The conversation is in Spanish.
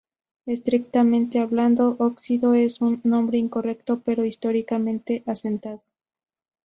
Estrictamente hablando, "óxido" es un nombre incorrecto pero históricamente asentado.